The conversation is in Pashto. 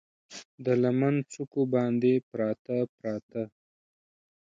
د لمن څوکو باندې، پراته، پراته